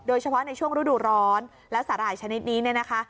โดยเฉพาะในช่วงฤดูร้อนแล้วสาหร่ายชนิดนี้เนี่ยนะคะ